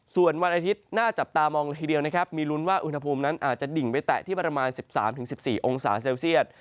ส่วนวันอาทิตย์หน้าจับตามองละทีเดียวนะครับมีลุ้นว่าอุณหภูมินั้นอาจจะดิ่งไปแตะที่ประมาณ๑๓๑๔องศาเซลเซียต